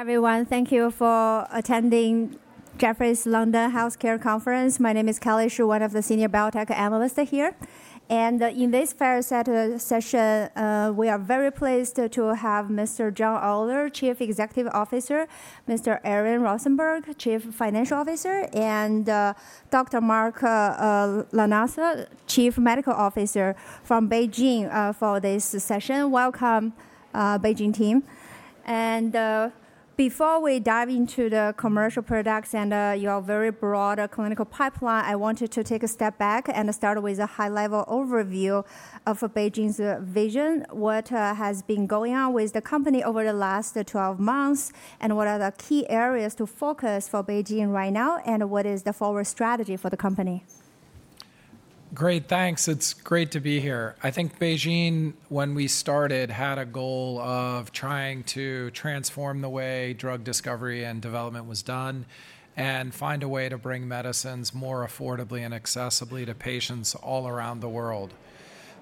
Hi everyone, thank you for attending Jefferies London Healthcare Conference. My name is Kelly Shi, one of the senior biotech analysts here. In this fireside session, we are very pleased to have Mr. John Oyler, Chief Executive Officer; Mr. Aaron Rosenberg, Chief Financial Officer; and Dr. Mark Lanasa, Chief Medical Officer from BeiGene for this session. Welcome, BeiGene team. Before we dive into the commercial products and your very broad clinical pipeline, I wanted to take a step back and start with a high-level overview of BeiGene's vision: what has been going on with the company over the last 12 months, and what are the key areas to focus on for BeiGene right now, and what is the forward strategy for the company? Great, thanks. It's great to be here. I think BeiGene, when we started, had a goal of trying to transform the way drug discovery and development was done, and find a way to bring medicines more affordably and accessibly to patients all around the world.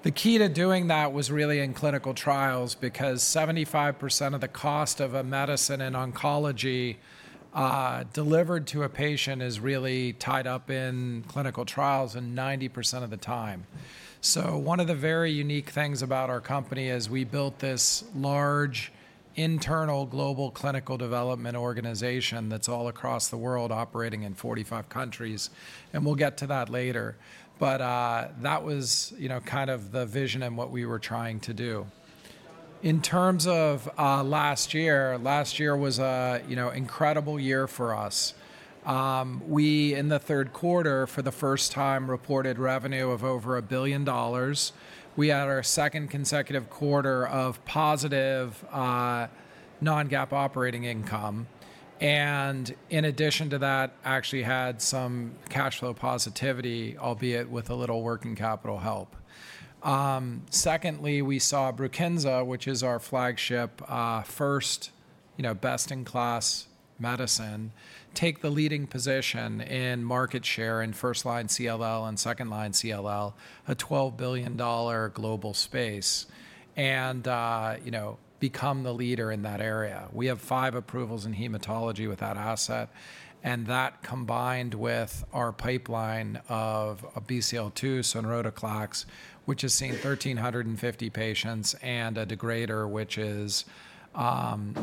The key to doing that was really in clinical trials, because 75% of the cost of a medicine in oncology delivered to a patient is really tied up in clinical trials 90% of the time. So one of the very unique things about our company is we built this large internal global clinical development organization that's all across the world, operating in 45 countries, and we'll get to that later. But that was kind of the vision and what we were trying to do. In terms of last year, last year was an incredible year for us. We, in the third quarter, for the first time, reported revenue of over $1 billion. We had our second consecutive quarter of positive non-GAAP operating income. And in addition to that, actually had some cash flow positivity, albeit with a little working capital help. Secondly, we saw Brukinza, which is our flagship first best-in-class medicine, take the leading position in market share in first-line CLL and second-line CLL, a $12 billion global space, and become the leader in that area. We have five approvals in hematology with that asset, and that combined with our pipeline of BCL2, sonrotoclax, which has seen 1,350 patients, and a degrader, which is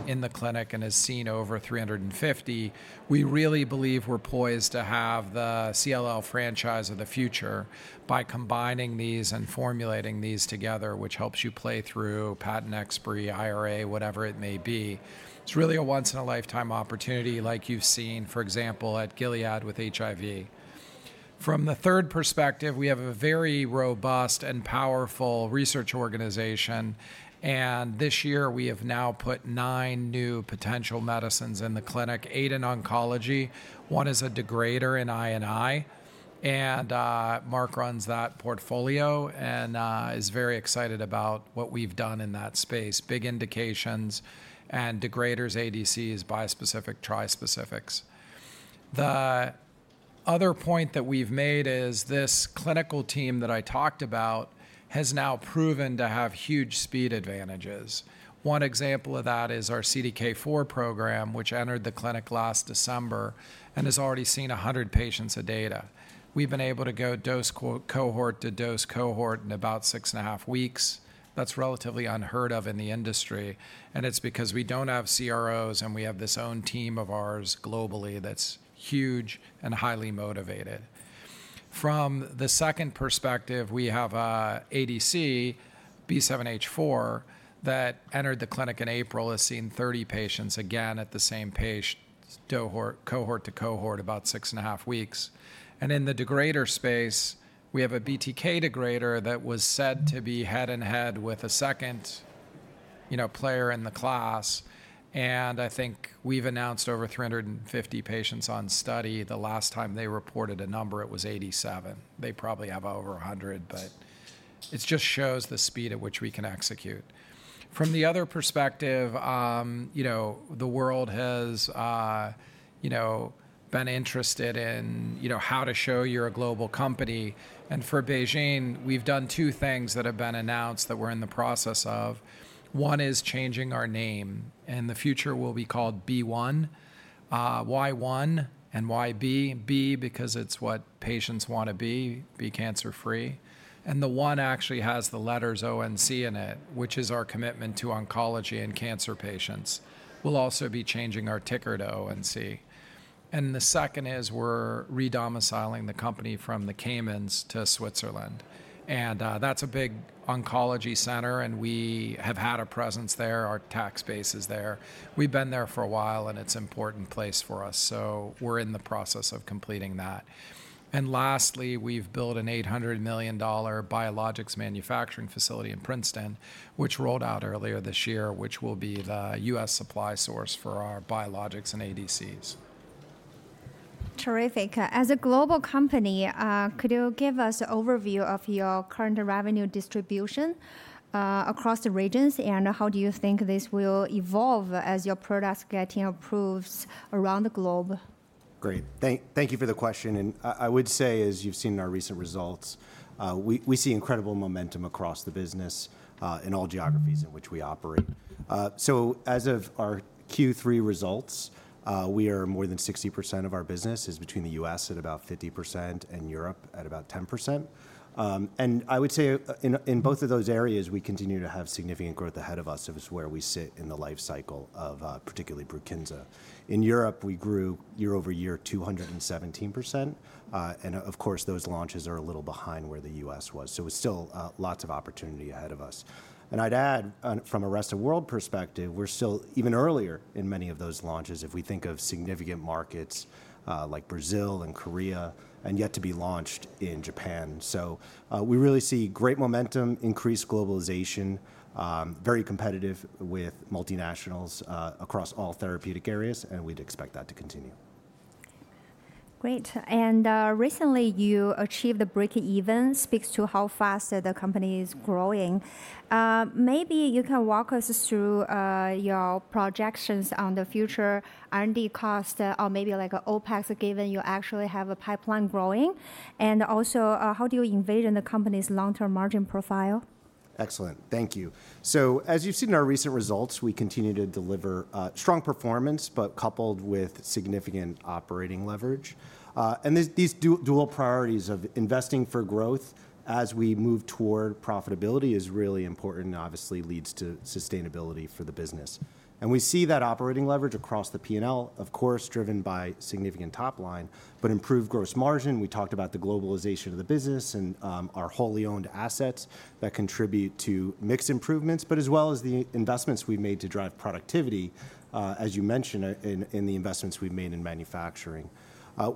in the clinic and has seen over 350, we really believe we're poised to have the CLL franchise of the future by combining these and formulating these together, which helps you play through patent expertise, IRA, whatever it may be. It's really a once-in-a-lifetime opportunity, like you've seen, for example, at Gilead with HIV. From the third perspective, we have a very robust and powerful research organization, and this year we have now put nine new potential medicines in the clinic: eight in oncology, one is a degrader in INI, and Marc runs that portfolio and is very excited about what we've done in that space. Big indications and degraders, ADCs, bispecific, trispecifics. The other point that we've made is this clinical team that I talked about has now proven to have huge speed advantages. One example of that is our CDK4 program, which entered the clinic last December and has already seen data from 100 patients. We've been able to go dose cohort to dose cohort in about six and a half weeks. That's relatively unheard of in the industry, and it's because we don't have CROs, and we have this own team of ours globally that's huge and highly motivated. From the second perspective, we have ADC, B7-H4, that entered the clinic in April, has seen 30 patients again at the same patient cohort to cohort, about six and a half weeks. And in the degrader space, we have a BTK degrader that was said to be head-to-head with a second player in the class, and I think we've announced over 350 patients on study. The last time they reported a number, it was 87. They probably have over 100, but it just shows the speed at which we can execute. From the other perspective, the world has been interested in how to show you're a global company. For BeiGene, we've done two things that have been announced that we're in the process of. One is changing our name, and the future will be called BeOne Medicines. B because it's what patients want to be, be cancer-free. And the one actually has the letters ONC in it, which is our commitment to oncology and cancer patients. We'll also be changing our ticker to ONC. And the second is we're re-domiciling the company from the Cayman Islands to Switzerland. And that's a big oncology center, and we have had a presence there, our tax base is there. We've been there for a while, and it's an important place for us, so we're in the process of completing that. And lastly, we've built an $800 million biologics manufacturing facility in Princeton, which rolled out earlier this year, which will be the U.S. Supply source for our biologics and ADCs. Terrific. As a global company, could you give us an overview of your current revenue distribution across the regions, and how do you think this will evolve as your products get approved around the globe? Great. Thank you for the question, and I would say, as you've seen in our recent results, we see incredible momentum across the business in all geographies in which we operate, so as of our Q3 results, we are more than 60% of our business is between the U.S. at about 50% and Europe at about 10%, and I would say in both of those areas, we continue to have significant growth ahead of us, as to where we sit in the life cycle of particularly Brukinza. In Europe, we grew year- over- year 217%, and of course, those launches are a little behind where the U.S. was, so it's still lots of opportunity ahead of us. And I'd add, from a rest of world perspective, we're still even earlier in many of those launches if we think of significant markets like Brazil and Korea, and yet to be launched in Japan. So we really see great momentum, increased globalization, very competitive with multinationals across all therapeutic areas, and we'd expect that to continue. Great. And recently, you achieved a breakeven. Speaks to how fast the company is growing. Maybe you can walk us through your projections on the future R&D cost, or maybe like OpEx, given you actually have a pipeline growing. And also, how do you envision the company's long-term margin profile? Excellent. Thank you. So as you've seen in our recent results, we continue to deliver strong performance, but coupled with significant operating leverage. And these dual priorities of investing for growth as we move toward profitability is really important and obviously leads to sustainability for the business. And we see that operating leverage across the P&L, of course, driven by significant top line, but improved gross margin. We talked about the globalization of the business and our wholly owned assets that contribute to mixed improvements, but as well as the investments we've made to drive productivity, as you mentioned, in the investments we've made in manufacturing.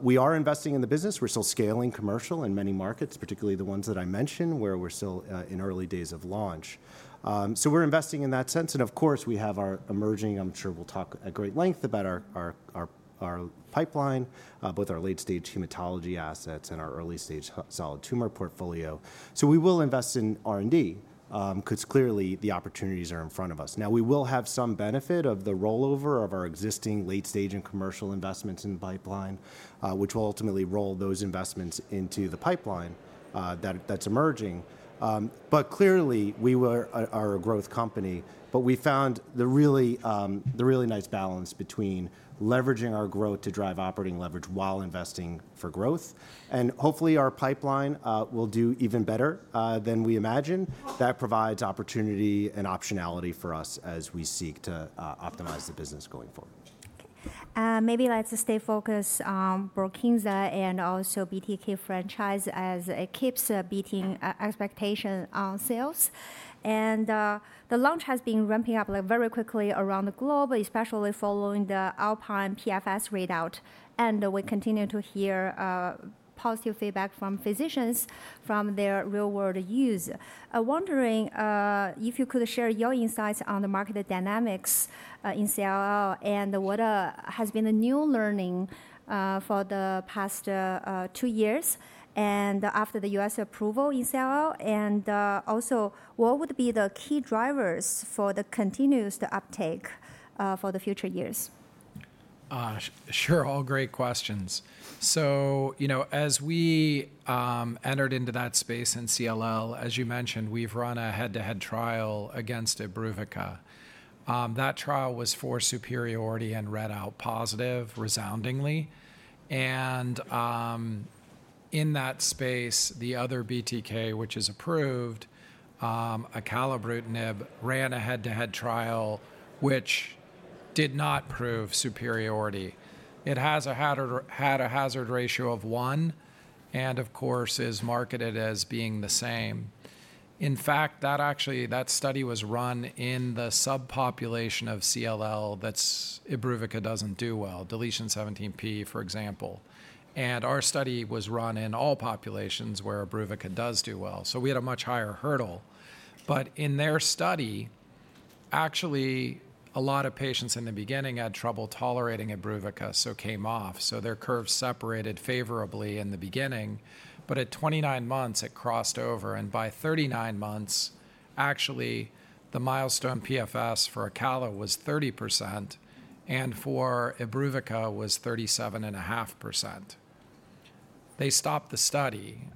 We are investing in the business. We're still scaling commercial in many markets, particularly the ones that I mentioned, where we're still in early days of launch. So we're investing in that sense, and of course, we have our emerging. I'm sure we'll talk at great length about our pipeline, both our late-stage hematology assets and our early-stage solid tumor portfolio. So we will invest in R&D because clearly the opportunities are in front of us. Now, we will have some benefit of the rollover of our existing late-stage and commercial investments in the pipeline, which will ultimately roll those investments into the pipeline that's emerging. But clearly, we are a growth company, but we found the really nice balance between leveraging our growth to drive operating leverage while investing for growth. And hopefully, our pipeline will do even better than we imagined. That provides opportunity and optionality for us as we seek to optimize the business going forward. Maybe let's stay focused on Brukinza and also BTK franchise as it keeps beating expectations on sales. And the launch has been ramping up very quickly around the globe, especially following the Alpine PFS readout. And we continue to hear positive feedback from physicians from their real-world use. I'm wondering if you could share your insights on the market dynamics in CLL and what has been the new learning for the past two years and after the U.S. approval in CLL, and also what would be the key drivers for the continuous uptake for the future years? Sure, all great questions. So as we entered into that space in CLL, as you mentioned, we've run a head-to-head trial against Imbruvica. That trial was for superiority and read out positive resoundingly. And in that space, the other BTK, which is approved, Calquence, ran a head-to-head trial, which did not prove superiority. It has a hazard ratio of one and, of course, is marketed as being the same. In fact, that study was run in the subpopulation of CLL that Imbruvica doesn't do well, 17p deletion, for example. And our study was run in all populations where Imbruvica does do well, so we had a much higher hurdle. But in their study, actually, a lot of patients in the beginning had trouble tolerating Imbruvica, so came off. Their curve separated favorably in the beginning, but at 29 months, it crossed over, and by 39 months, actually, the milestone PFS for Calquence was 30%, and for Imbruvica, it was 37.5%. They stopped the study,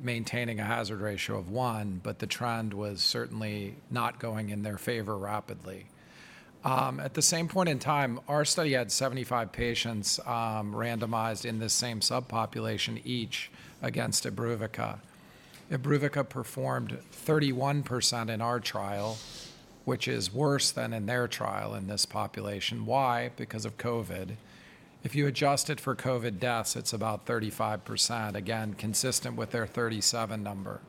maintaining a hazard ratio of one, but the trend was certainly not going in their favor rapidly. At the same point in time, our study had 75 patients randomized in this same subpopulation each against Imbruvica. Imbruvica performed 31% in our trial, which is worse than in their trial in this population. Why? Because of COVID. If you adjust it for COVID deaths, it's about 35%, again, consistent with their 37% number.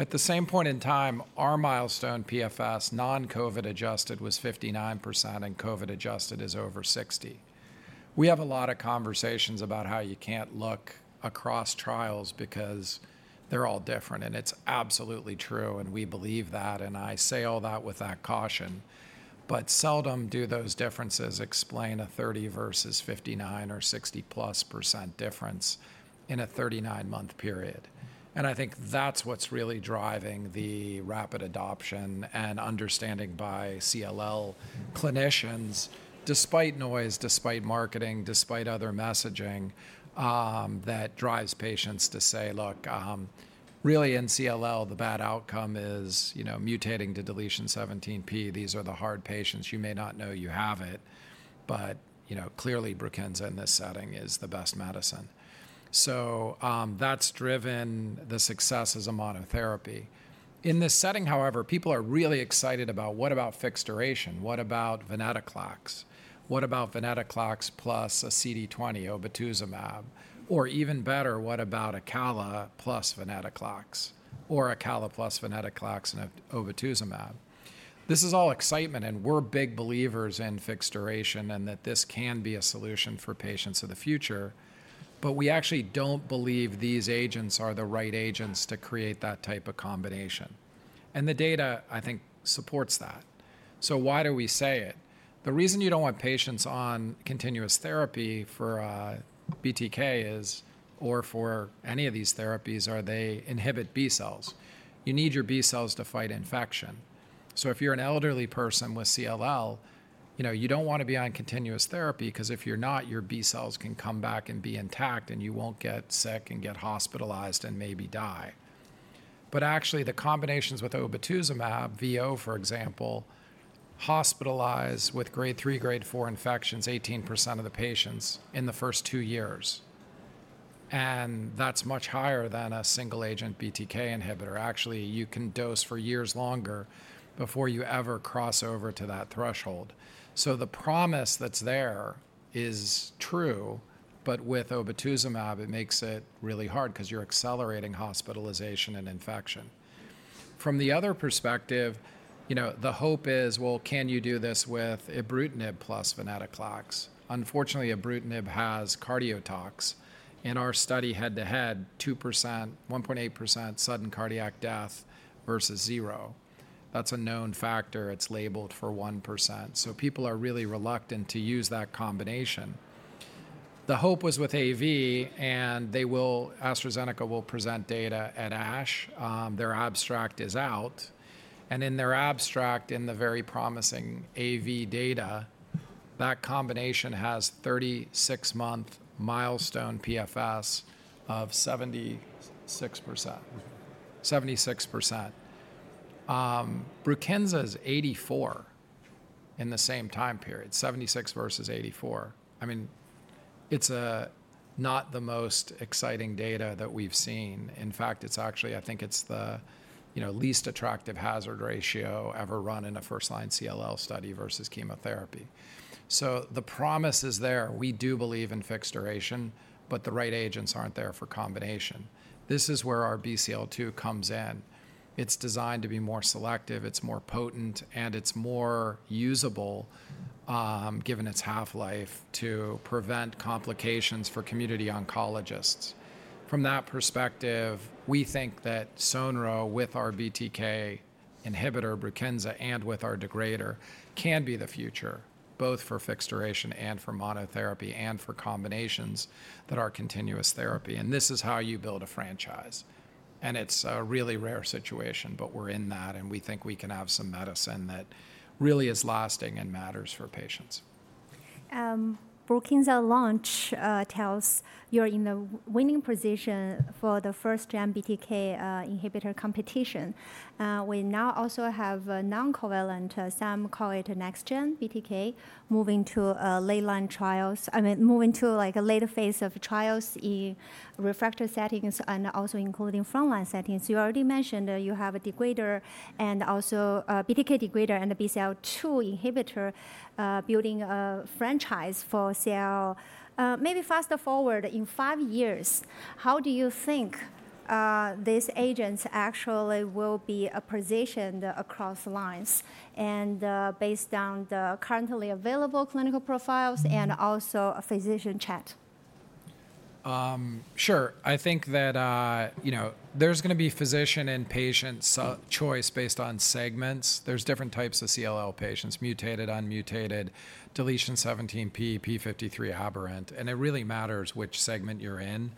At the same point in time, our milestone PFS, non-COVID adjusted, was 59%, and COVID adjusted is over 60%. We have a lot of conversations about how you can't look across trials because they're all different, and it's absolutely true, and we believe that, and I say all that with that caution, but seldom do those differences explain a 30% versus 59% or 60+% difference in a 39-month period. And I think that's what's really driving the rapid adoption and understanding by CLL clinicians, despite noise, despite marketing, despite other messaging, that drives patients to say, "Look, really in CLL, the bad outcome is mutating to 17p deletion. These are the hard patients. You may not know you have it, but clearly, Brukinza in this setting is the best medicine." So that's driven the success as a monotherapy. In this setting, however, people are really excited about, "What about fixed duration? What about venetoclax? What about venetoclax plus a CD20, obinutuzumab? Or even better, what about a Calquence plus venetoclax or a Calquence plus venetoclax and obinutuzumab?" This is all excitement, and we're big believers in fixed duration and that this can be a solution for patients of the future, but we actually don't believe these agents are the right agents to create that type of combination, and the data, I think, supports that. So why do we say it? The reason you don't want patients on continuous therapy for BTK is, or for any of these therapies, are they inhibit B cells? You need your B cells to fight infection. So if you're an elderly person with CLL, you don't want to be on continuous therapy because if you're not, your B cells can come back and be intact, and you won't get sick and get hospitalized and maybe die. But actually, the combinations with obinutuzumab, VO, for example, hospitalize with grade 3, grade 4 infections 18% of the patients in the first two years. And that's much higher than a single-agent BTK inhibitor. Actually, you can dose for years longer before you ever cross over to that threshold. The promise that's there is true, but with obinutuzumab, it makes it really hard because you're accelerating hospitalization and infection. From the other perspective, the hope is, "Well, can you do this with ibrutinib plus venetoclax?" Unfortunately, ibrutinib has cardiotox. In our study head-to-head, 1.8% sudden cardiac death versus zero. That's a known factor. It's labeled for 1%. People are really reluctant to use that combination. The hope was with AV, and AstraZeneca will present data at ASH. Their abstract is out. And in their abstract, in the very promising AV data, that combination has 36-month milestone PFS of 76%. Brukinza is 84 in the same time period, 76 versus 84. I mean, it's not the most exciting data that we've seen. In fact, I think it's the least attractive hazard ratio ever run in a first-line CLL study versus chemotherapy. So the promise is there. We do believe in fixed duration, but the right agents aren't there for combination. This is where our BCL2 comes in. It's designed to be more selective, it's more potent, and it's more usable, given its half-life, to prevent complications for community oncologists. From that perspective, we think that Sonro with our BTK inhibitor, Brukinza, and with our degrader, can be the future, both for fixed duration and for monotherapy and for combinations that are continuous therapy. And this is how you build a franchise. It's a really rare situation, but we're in that, and we think we can have some medicine that really is lasting and matters for patients. Brukinza launch tells you're in the winning position for the first-gen BTK inhibitor competition. We now also have non-covalent, some call it next-gen BTK, moving to a late-line trials, I mean, moving to a later phase of trials in refractory settings and also including front-line settings. You already mentioned you have a degrader and also BTK degrader and a BCL2 inhibitor building a franchise for CLL. Maybe fast forward in five years, how do you think these agents actually will be positioned across lines and based on the currently available clinical profiles and also a physician chat? Sure. I think that there's going to be physician and patient choice based on segments. There's different types of CLL patients, mutated, unmutated, 17p deletion, p53 aberrant, and it really matters which segment you're in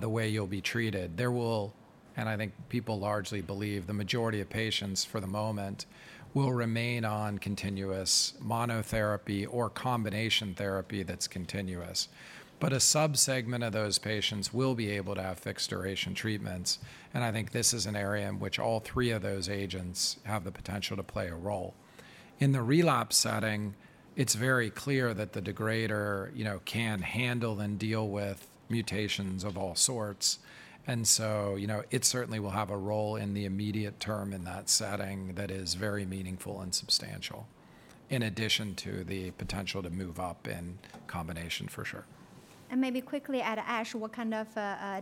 the way you'll be treated. There will, and I think people largely believe, the majority of patients for the moment will remain on continuous monotherapy or combination therapy that's continuous, but a subsegment of those patients will be able to have fixed duration treatments, and I think this is an area in which all three of those agents have the potential to play a role. In the relapse setting, it's very clear that the degrader can handle and deal with mutations of all sorts, and so it certainly will have a role in the immediate term in that setting that is very meaningful and substantial, in addition to the potential to move up in combination for sure. Maybe quickly at ASH, what kind of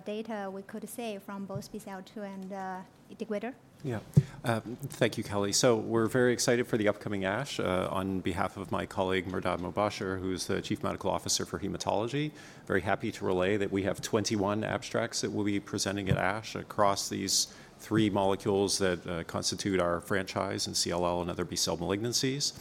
data we could see from both BCL2 and degrader? Yeah. Thank you, Kelly. So we're very excited for the upcoming ASH on behalf of my colleague, Mehrdad Mobasher, who's the chief medical officer for hematology. Very happy to relay that we have 21 abstracts that we'll be presenting at ASH across these three molecules that constitute our franchise in CLL and other BCL malignancies.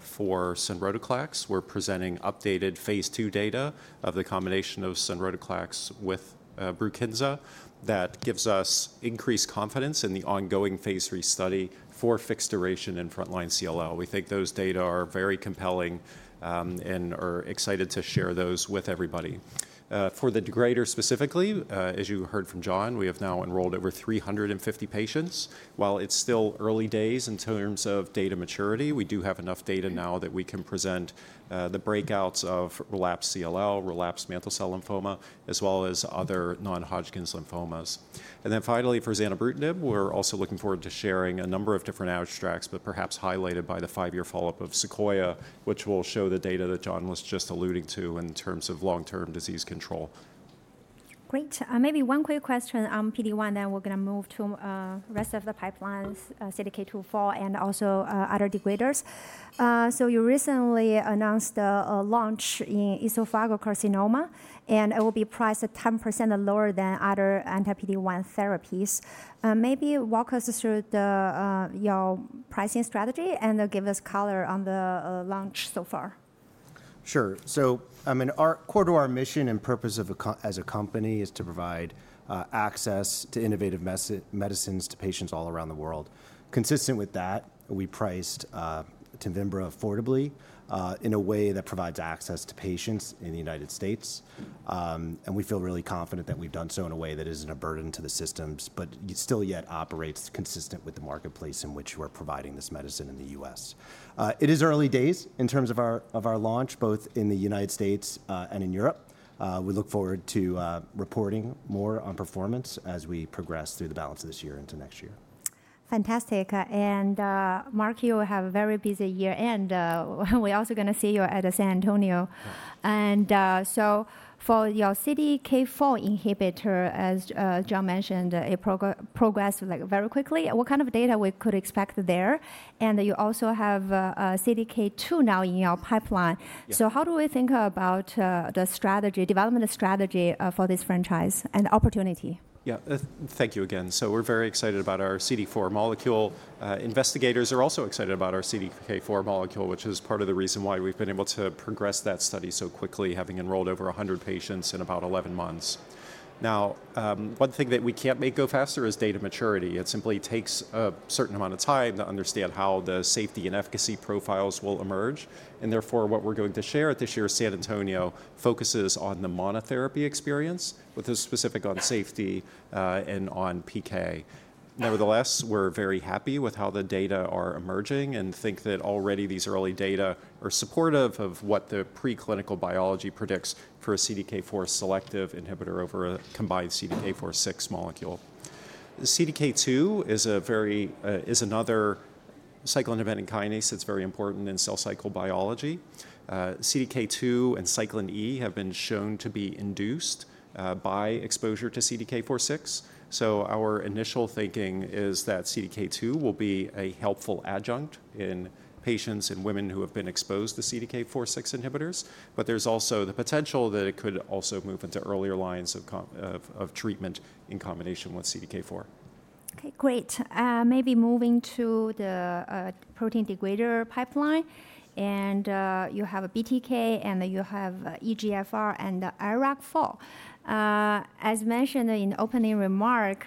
For sonrotoclax, we're presenting updated phase II data of the combination of sonrotoclax with Brukinza that gives us increased confidence in the ongoing phase III study for fixed duration in front-line CLL. We think those data are very compelling and are excited to share those with everybody. For the degrader, specifically, as you heard from John, we have now enrolled over 350 patients. While it's still early days in terms of data maturity, we do have enough data now that we can present the breakouts of relapsed CLL, relapsed mantle cell lymphoma, as well as other non-Hodgkin's lymphomas, and then finally, for zanubrutinib, we're also looking forward to sharing a number of different abstracts, but perhaps highlighted by the five year follow-up of Sequoia, which will show the data that John was just alluding to in terms of long-term disease control. Great. Maybe one quick question on PD-1, then we're going to move to the rest of the pipelines, CDK2/4, and also other degraders. So you recently announced a launch in esophageal carcinoma, and it will be priced at 10% lower than other anti-PD-1 therapies. Maybe walk us through your pricing strategy and give us color on the launch so far. Sure. So core to our mission and purpose as a company is to provide access to innovative medicines to patients all around the world. Consistent with that, we priced Tevimbra affordably in a way that provides access to patients in the United States, and we feel really confident that we've done so in a way that isn't a burden to the systems, but still yet operates consistent with the marketplace in which we're providing this medicine in the U.S. It is early days in terms of our launch, both in the United States and in Europe. We look forward to reporting more on performance as we progress through the balance of this year into next year. Fantastic. And Marc, you have a very busy year, and we're also going to see you at San Antonio. And so for your CDK4 inhibitor, as John mentioned, it progressed very quickly. What kind of data we could expect there? And you also have CDK2 now in your pipeline. So how do we think about the development strategy for this franchise and opportunity? Yeah. Thank you again, so we're very excited about our CDK4 molecule. Investigators are also excited about our CDK4 molecule, which is part of the reason why we've been able to progress that study so quickly, having enrolled over 100 patients in about 11 months. Now, one thing that we can't make go faster is data maturity. It simply takes a certain amount of time to understand how the safety and efficacy profiles will emerge, and therefore, what we're going to share at this year's San Antonio focuses on the monotherapy experience with a specific on safety and on PK. Nevertheless, we're very happy with how the data are emerging and think that already these early data are supportive of what the preclinical biology predicts for a CDK4 selective inhibitor over a combined CDK4/6 molecule. CDK2 is another cyclin-dependent kinase that's very important in cell cycle biology. CDK2 and cyclin E have been shown to be induced by exposure to CDK4/6. So our initial thinking is that CDK2 will be a helpful adjunct in patients and women who have been exposed to CDK4/6 inhibitors, but there's also the potential that it could also move into earlier lines of treatment in combination with CDK4. Okay. Great. Maybe moving to the protein degrader pipeline. And you have BTK, and you have EGFR and IRAK4. As mentioned in the opening remark,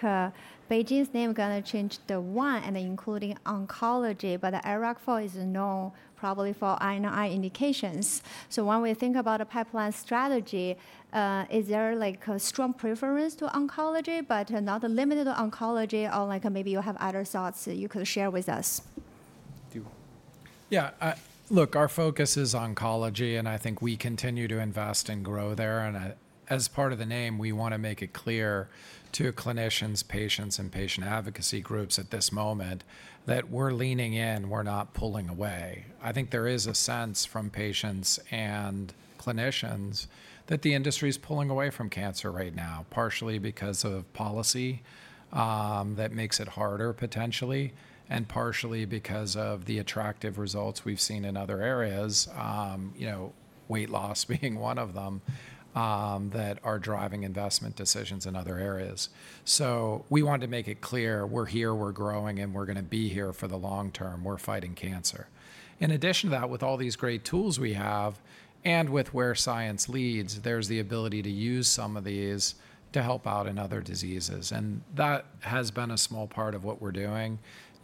BeiGene's name is going to change to BeOne, including oncology, but IRAK4 is known probably for INI indications. So when we think about a pipeline strategy, is there a strong preference to oncology, but not limited to oncology, or maybe you have other thoughts you could share with us? Yeah. Look, our focus is oncology, and I think we continue to invest and grow there. And as part of the name, we want to make it clear to clinicians, patients, and patient advocacy groups at this moment that we're leaning in, we're not pulling away. I think there is a sense from patients and clinicians that the industry is pulling away from cancer right now, partially because of policy that makes it harder potentially, and partially because of the attractive results we've seen in other areas, weight loss being one of them, that are driving investment decisions in other areas. So we want to make it clear we're here, we're growing, and we're going to be here for the long term. We're fighting cancer. In addition to that, with all these great tools we have and with where science leads, there's the ability to use some of these to help out in other diseases. And that has been a small part of what we're doing,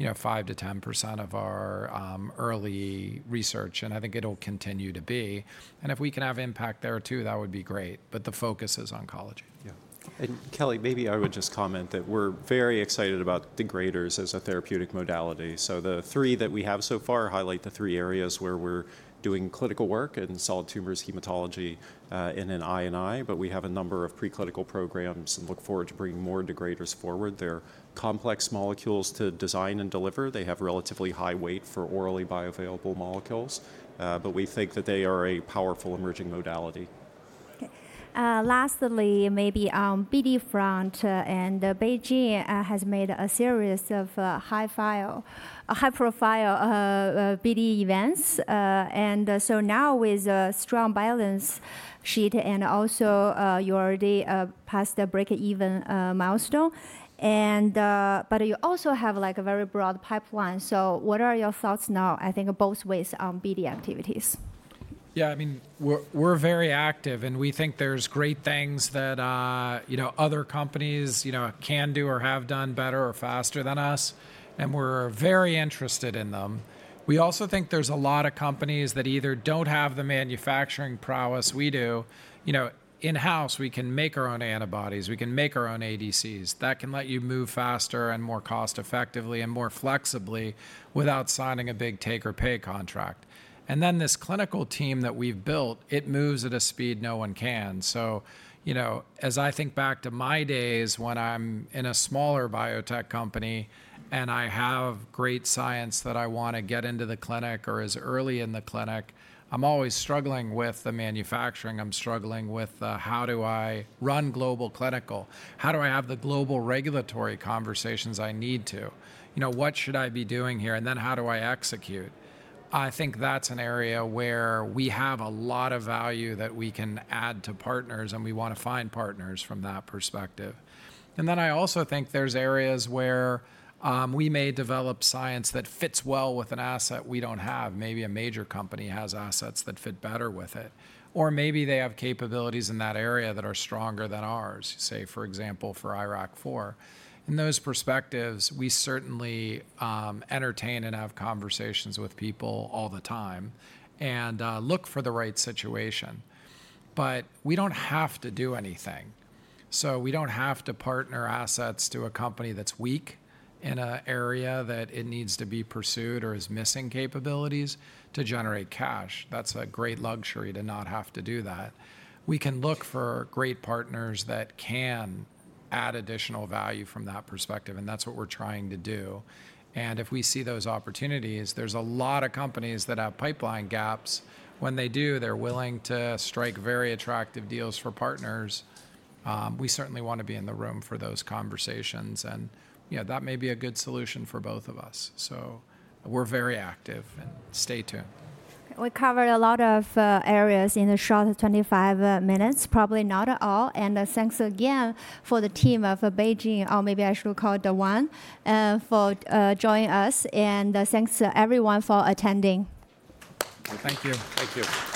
5% to 10% of our early research, and I think it'll continue to be. And if we can have impact there too, that would be great, but the focus is oncology. Yeah. Kelly, maybe I would just comment that we're very excited about degraders as a therapeutic modality. The three that we have so far highlight the three areas where we're doing clinical work in solid tumors, hematology, and INI, but we have a number of preclinical programs and look forward to bringing more degraders forward. They're complex molecules to design and deliver. They have relatively high weight for orally bioavailable molecules, but we think that they are a powerful emerging modality. Okay. Lastly, maybe on BD front, and BeiGene has made a series of high-profile BD events. And so now with a strong balance sheet and also you already passed the break-even milestone, but you also have a very broad pipeline. So what are your thoughts now, I think, both ways on BD activities? Yeah. I mean, we're very active, and we think there's great things that other companies can do or have done better or faster than us, and we're very interested in them. We also think there's a lot of companies that either don't have the manufacturing prowess we do. In-house, we can make our own antibodies, we can make our own ADCs. That can let you move faster and more cost-effectively and more flexibly without signing a big take-or-pay contract. And then this clinical team that we've built, it moves at a speed no one can. So as I think back to my days when I'm in a smaller biotech company and I have great science that I want to get into the clinic or as early in the clinic, I'm always struggling with the manufacturing. I'm struggling with how do I run global clinical? How do I have the global regulatory conversations I need to? What should I be doing here? And then how do I execute? I think that's an area where we have a lot of value that we can add to partners, and we want to find partners from that perspective. And then I also think there's areas where we may develop science that fits well with an asset we don't have. Maybe a major company has assets that fit better with it, or maybe they have capabilities in that area that are stronger than ours, say, for example, for IRAK4. In those perspectives, we certainly entertain and have conversations with people all the time and look for the right situation. But we don't have to do anything. So we don't have to partner assets to a company that's weak in an area that it needs to be pursued or is missing capabilities to generate cash. That's a great luxury to not have to do that. We can look for great partners that can add additional value from that perspective, and that's what we're trying to do, and if we see those opportunities, there's a lot of companies that have pipeline gaps. When they do, they're willing to strike very attractive deals for partners. We certainly want to be in the room for those conversations, and that may be a good solution for both of us, so we're very active, and stay tuned. We covered a lot of areas in the short 25 minutes, probably not all, and thanks again for the team of BeiGene, or maybe I should call it BeOne, for joining us, and thanks everyone for attending. Thank you. Thank you.